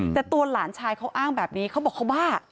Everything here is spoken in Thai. แต่ตัวหลานชายเขาอ้างแบบนี้เขาบอกเขาบ้า